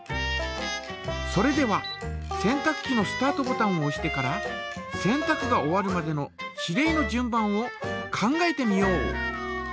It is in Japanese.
それでは洗濯機のスタートボタンをおしてから洗濯が終わるまでの指令の順番を考えてみよう。